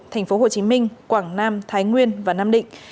tp hcm quảng nam thái nguyên và nam định